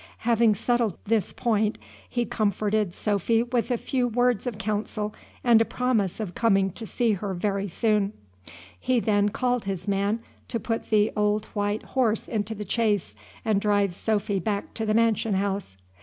Having settled this point, he comforted Sophy with a few words of counsel and a promise of coming to see her very soon. He then called his man to put the old white horse into the chaise and drive Sophy back to the mansion house.